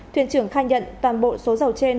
thuyền trưởng khai nhận toàn bộ số dầu trên